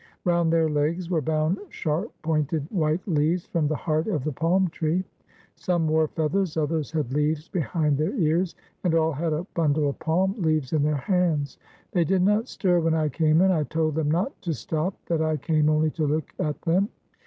Round their legs were bound sharp pointed white leaves from the heart of the palm tree; some wore feathers, others had leaves behind their ears, and all had a bundle of palm leaves in their hands. They did not stir when I came in. I told them not to stop; that I came only to look at them.